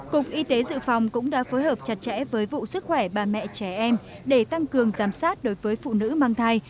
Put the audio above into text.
cục y tế dự phòng cũng đã phối hợp chặt chẽ với vụ sức khỏe bà mẹ trẻ em để tăng cường giám sát đối với phụ nữ mang thai